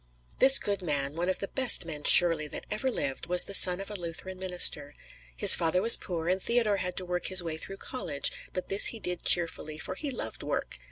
This good man one of the best men, surely, that ever lived was the son of a Lutheran minister. His father was poor, and Theodore had to work his way through college, but this he did cheerfully, for he loved work.